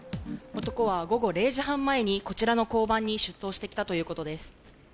男は午後０時半前にこちらの交番に出頭してきたということです。